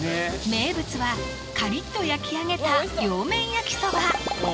名物はカリッと焼き上げた両面焼きそば